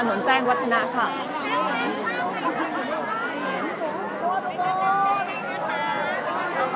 และที่อยู่ด้านหลังคุณยิ่งรักนะคะก็คือนางสาวคัตยาสวัสดีผลนะคะ